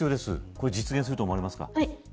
これは実現すると思いますか。